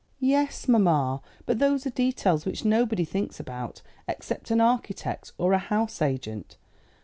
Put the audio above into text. "Yes, mamma; but those are details which nobody thinks about except an architect or a house agent.